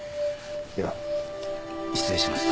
では失礼します。